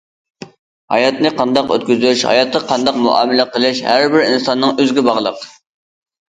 ھاياتنى قانداق ئۆتكۈزۈش، ھاياتقا قانداق مۇئامىلە قىلىش ھەر بىر ئىنساننىڭ ئۆزىگە باغلىق.